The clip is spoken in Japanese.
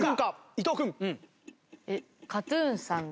伊藤君。